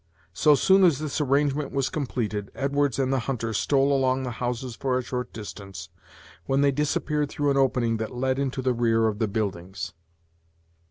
So soon as this arrangement was completed, Edwards and the hunter stole along the houses for a short distance, when they disappeared through an opening that led into the rear of the buildings.